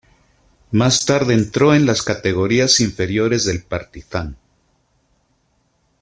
Más tarde entró en las categorías inferiores del Partizan.